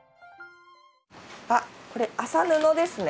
あこれ麻布ですね。